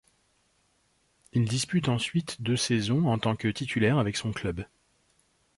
Il dispute ensuite deux saisons en tant que titulaire avec son club.